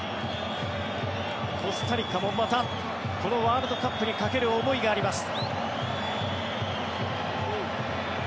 コスタリカもまたこのワールドカップにかける思いがあります。